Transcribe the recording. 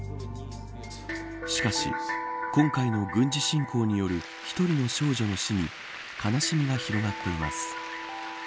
しかし今回の軍事侵攻による１人の少女の死に悲しみが広がっています。